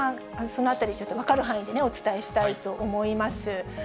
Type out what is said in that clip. そのあたり、ちょっと分かる範囲でお伝えしたいと思います。